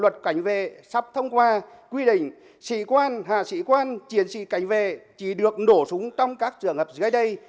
trong quá quy định sĩ quan hạ sĩ quan triển sĩ cảnh về chỉ được nổ súng trong các trường hợp dưới đây